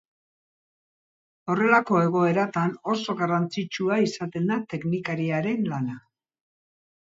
Horrelako egoeratan oso garrantzitsua izaten da teknikariaren lana.